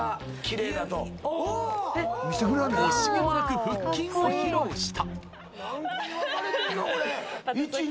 惜しげもなく腹筋を披露した。